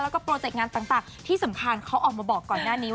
แล้วก็โปรเจกต์งานต่างที่สำคัญเขาออกมาบอกก่อนหน้านี้